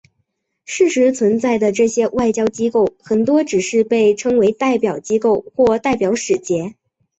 事实存在的这些外交机构很多是只被称为代表机构或代表使节。